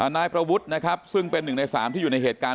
นายประวุฒิจุลนาคซึ่งเป็น๑ใน๓ที่อยู่ในเหตุการณ์